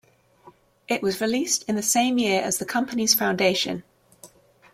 It was released the same year as the company's foundation.